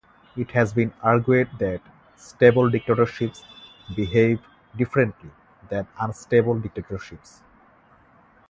It has been argued that stable dictatorships behave differently than unstable dictatorships.